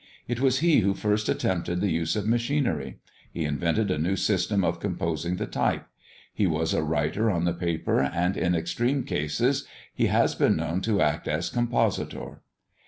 It was he who first attempted the use of machinery; he invented a new system of composing the type; he was a writer on the paper, and, in extreme cases, he has been known to act as compositor.